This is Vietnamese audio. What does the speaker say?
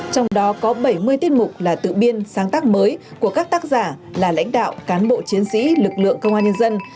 trong đó có bảy mươi tiết mục là tự biên sáng tác mới của các tác giả là lãnh đạo cán bộ chiến sĩ lực lượng công an nhân dân